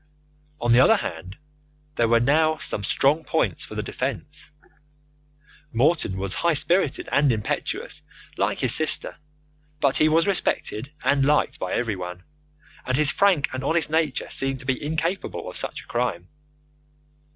On the other hand, there were some strong points for the defence. Morton was high spirited and impetuous, like his sister, but he was respected and liked by everyone, and his frank and honest nature seemed to be incapable of such a crime.